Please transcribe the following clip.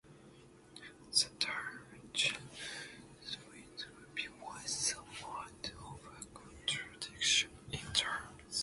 The term "Jesuit Ivy" was somewhat of a contradiction in terms.